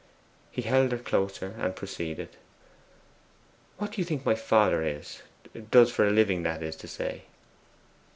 He held her closer and proceeded: 'What do you think my father is does for his living, that is to say?